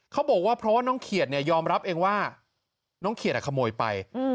เขาบอกว่าเพราะว่าน้องเขียดเนี่ยยอมรับเองว่าน้องเขียดขโมยไป